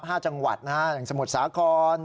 ห้าจังหวัดนะฮะอย่างสมุทรสาคร